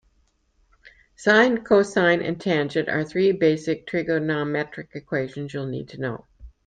Sine, cosine and tangent are three basic trigonometric equations you'll need to know.